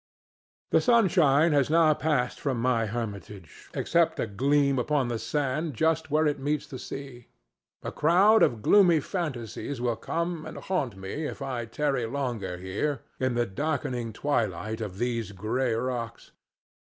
The sunshine has now passed from my hermitage, except a gleam upon the sand just where it meets the sea. A crowd of gloomy fantasies will come and haunt me if I tarry longer here in the darkening twilight of these gray rocks.